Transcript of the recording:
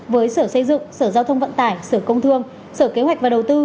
với sở xây dựng sở giao thông vận tải sở công thương sở kế hoạch và đầu tư